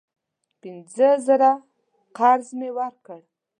پینځه زره قرض مې ورکړ.